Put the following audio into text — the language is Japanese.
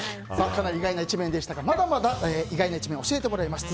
かなり意外な一面でしたがまだまだ意外な一面を教えてもらいます。